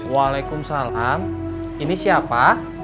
waalaikumsalam ini siapa